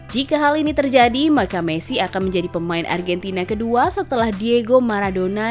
jika hal ini terjadi maka messi akan menjadi pemain argentina kedua setelah diego maradona